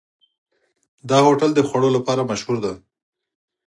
دا هوټل د خوړو له پلوه مشهور دی.